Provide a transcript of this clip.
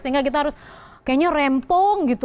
sehingga kita harus kayaknya rempong gitu